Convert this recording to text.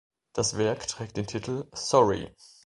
Das Werk trägt den Titel "Sorry".